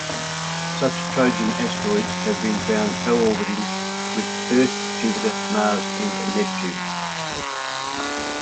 Such 'trojan asteroids' have been found co-orbiting with Earth, Jupiter, Mars, and Neptune.